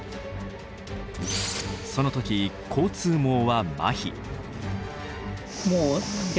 その時交通網はマヒ。